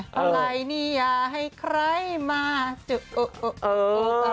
อะไรนี่อย่าให้ใครมาจุ๊บโอ๊ะโอ๊ะโอ๊ะ